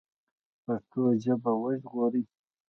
پښتو ژبه وژغورئ